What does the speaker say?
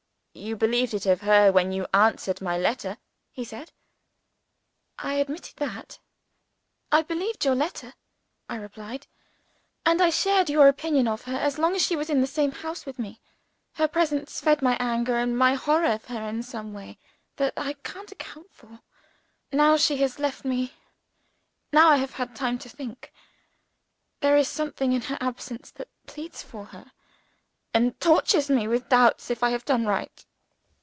"You believed it of her, when you answered my letter," he said. I admitted that. "I believed your letter," I replied; "and I shared your opinion of her as long as she was in the same house with me. Her presence fed my anger and my horror of her in some way that I can't account for. Now she has left me now I have had time to think there is something in her absence that pleads for her, and tortures me with doubts if I have done right.